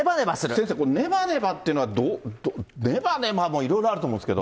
先生、ねばねばって、ねばねばもいろいろあると思うんですけど。